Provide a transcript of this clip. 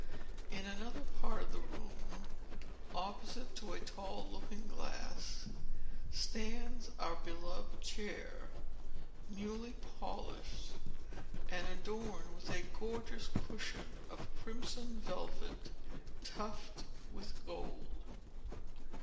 In another part of the room, opposite to a tall looking glass, stands our beloved chair, newly polished, and adorned with a gorgeous cushion of crimson velvet tufted with gold.